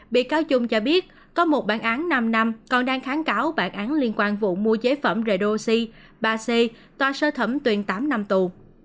bị cáo trung cho biết có một bản án năm năm còn đang kháng cáo bản án liên quan vụ mua chế phẩm redoxi ba c tòa sơ thẩm tuyên tám năm tù